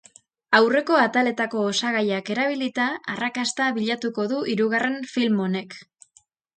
Aurreko ataletako osagaiak erabilita, arrakasta bilatuko du hirugarren film honek.